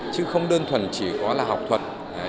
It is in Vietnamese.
chứ không đơn thuần chỉ có là học thuật